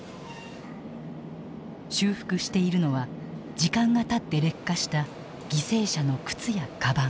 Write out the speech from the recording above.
修復しているのは時間がたって劣化した犠牲者の靴やカバン。